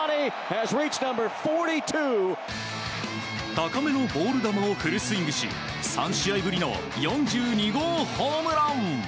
高めのボール球をフルスイングし３試合ぶりの４２号ホームラン！